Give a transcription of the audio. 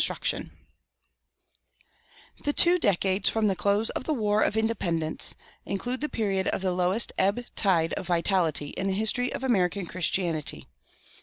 The two decades from the close of the War of Independence include the period of the lowest ebb tide of vitality in the history of American Christianity.